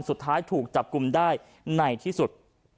สุดท้ายถูกจับกลุ่มได้ในที่สุด